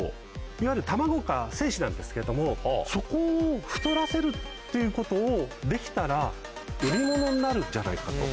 いわゆる卵か精子なんですけどもそこを太らせるっていうことをできたら売り物になるんじゃないかと。